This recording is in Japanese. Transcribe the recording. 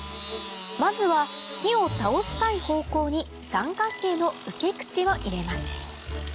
まずは木を倒したい方向に三角形の受け口を入れます